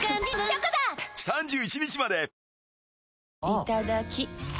いただきっ！